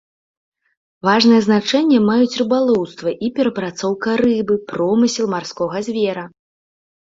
Важнае значэнне маюць рыбалоўства і перапрацоўка рыбы, промысел марскога звера.